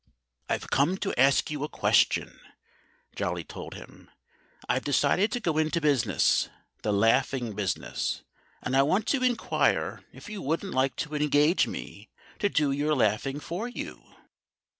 "I've come to ask you a question," Jolly told him. "I've decided to go into business the laughing business. And I want to inquire if you wouldn't like to engage me to do your laughing for you."